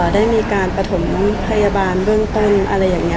ได้มีการประถมพยาบาลเบื้องต้นอะไรอย่างนี้